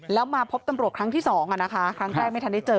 แล้วมาพบตำรวจครั้งที่สองอ่ะนะคะครั้งแรกไม่ทันได้เจอ